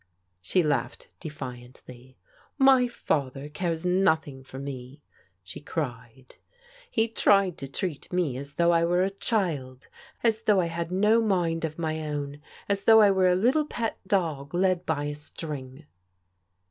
She laughed defiantly. " My father cares nothing for me," she cried. " He tried to treat me as though I were a child, as though I had no mind of my own, as though I were a little pet dog led by a string."